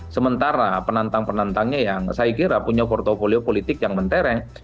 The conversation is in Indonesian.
sementara penantang penantangnya yang saya kira punya portfolio politik yang mentereng